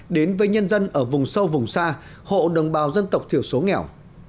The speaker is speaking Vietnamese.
đến với nhân dân ở vùng sâu vùng xa hộ đồng bào dân tộc thiểu số nghèo